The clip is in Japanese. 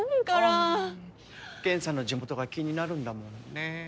ああケンさんの地元が気になるんだもんね。